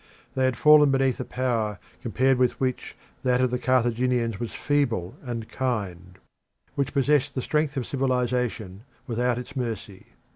They had fallen beneath a power compared with which that of the Carthaginians was feeble and kind; which possessed the strength of civilisation without its mercy.